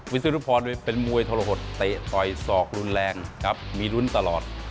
วิศนภรรณ์เป็นมวยทรหดเตะต่อยซอกรุนแรงมีรุนตลอด